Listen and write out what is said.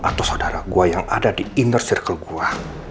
atau saudara gue yang ada di inner circle gua